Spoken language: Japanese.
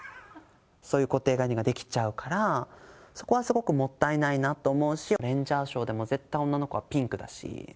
そういう固定観念が出来ちゃうから、そこはすごくもったいないなと思うし、レンジャーショーでも絶対女の子はピンクだし。